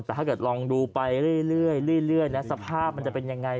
และถ้าเกิดลองดูไปรื่อยสภาพจะเป็นอย่างไง